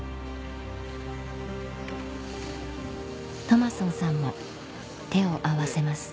トマソンさんも手を合わせます